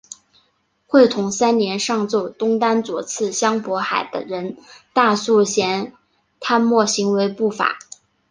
会同三年上奏东丹左次相渤海人大素贤贪墨行为不法。